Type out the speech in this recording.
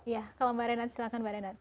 ya kalau mbak renan silahkan mbak renat